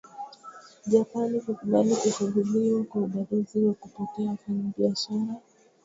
Japani kukubali kufunguliwa kwa ubalozi na kupokea wafanyabiashara